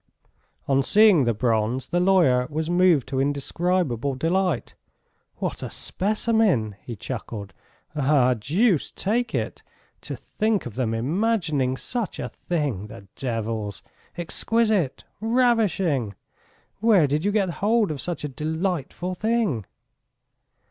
On seeing the bronze the lawyer was moved to indescribable delight. "What a specimen!" he chuckled. "Ah, deuce take it, to think of them imagining such a thing, the devils! Exquisite! Ravishing! Where did you get hold of such a delightful thing?"